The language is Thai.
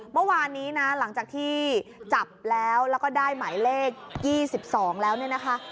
เมื่อวานนี้นะหลังจากที่จับแล้วแล้วก็ได้หมายเลข๒๒แล้วเนี่ยนะคะ